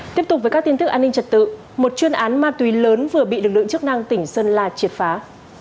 tiếp tục với các tin tức an ninh trật tự một chuyên án ma túy lớn vừa bị lực lượng chức năng tỉnh sơn la triệt phá